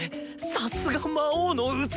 さすが魔王の器！